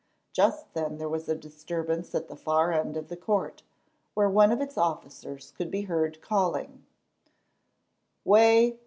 Just then there was a disturbance at the far end of the court, where one of its officers could be heard calling: "Way!